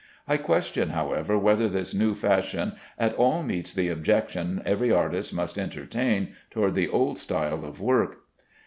I question, however, whether this new fashion at all meets the objection every artist must entertain toward the old style of work.